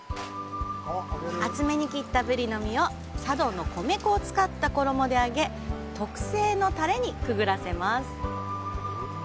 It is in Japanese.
厚めに切ったブリの身を佐渡の米粉を使った衣で揚げ特製のタレにくぐらせます。